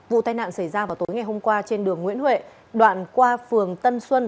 vụ tai nạn xảy ra vào tối ngày hôm qua trên đường nguyễn huệ đoạn qua phường tân xuân